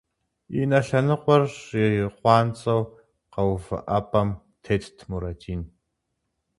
И нэ лъэныкъуэр щӏиукъуанцӏэу къэувыӏэпӏэм тетт Мурадин.